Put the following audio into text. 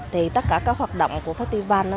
thì tất cả các hoạt động của festival